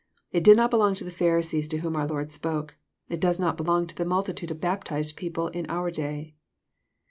It did not belong to the Pharisees to whom our Lord spoke. It does not belong to multitudes of baptized people in our own day.